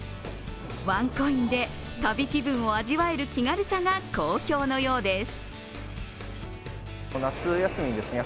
ワンコインで旅気分を味わえる気軽さが好評のようです。